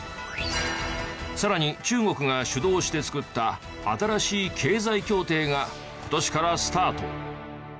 さらに中国が主導して作った新しい経済協定が今年からスタート。